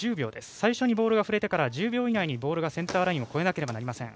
最初にボールが触れてから１０秒以内にセンターラインを越えないといけません。